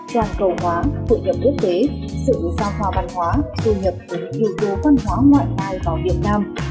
toàn cầu hóa phụ nhập quốc tế sự gia hoa văn hóa phụ nhập những yếu tố văn hóa ngoại tài vào việt nam